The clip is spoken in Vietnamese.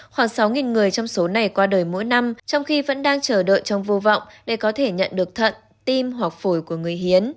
khoảng sáu người trong số này qua đời mỗi năm trong khi vẫn đang chờ đợi trong vô vọng để có thể nhận được thận tim hoặc phổi của người hiến